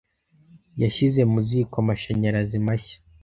Yashyize mu ziko amashanyarazi mashya.